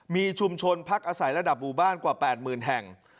มีชุมชนพักอาศัยระดับหมู่บ้านกว่า๘๐๐๐แห่ง